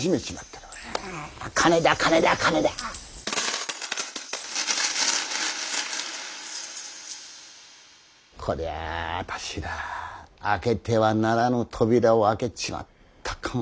こりゃあたしら開けてはならぬ扉を開けちまったかもしれませんぜ。